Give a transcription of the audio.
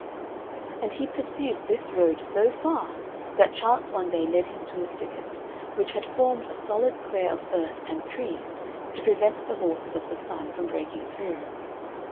And he pursued this road so far that chance one day led him to a thicket, which had formed a solid square of earth and trees to prevent the horses of the Sun from breaking through.